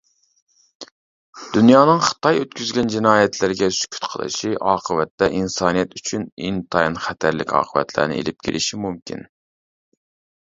دۇنيانىڭ خىتاي ئۆتكۈزگەن جىنايەتلىرىگە سۈكۈت قىلىشى، ئاقىۋەتتە ئىنسانىيەت ئۈچۈن ئىنتايىن خەتەرلىك ئاقىۋەتلەرنى ئېلىپ كېلىشى مۇمكىن.